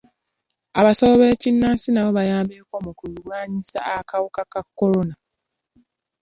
Abasawo b'ekinnansi nabo bayambyeko mu kulwanyisa akawuka ka kolona.